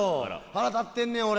腹立ってんねん俺。